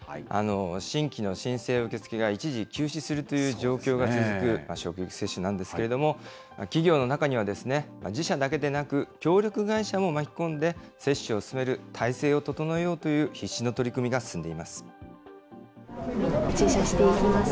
新規の申請受け付けが一時休止するという状況が続く職域接種なんですけれども、企業の中には、自社だけでなく協力会社も巻き込んで、接種を進める態勢を整えようという必死の取り組みが進んでいます。